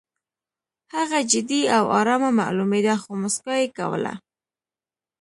هغه جدي او ارامه معلومېده خو موسکا یې کوله